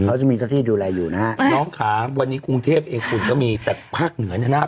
เขาจะมีเจ้าที่ดูแลอยู่นะฮะน้องขาวันนี้กรุงเทพเองฝุ่นก็มีแต่ภาคเหนือเนี่ยนะ